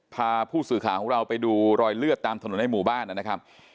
พาผู้สื่อข่าวของเราไปดูรอยเลือดตามถนนในหมู่บ้านนะครับ